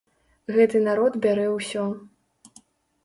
Гэты народ бярэ ўсё.